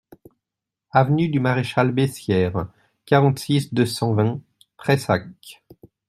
Avenue du Maréchal Bessières, quarante-six, deux cent vingt Prayssac